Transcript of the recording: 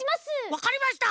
わかりました！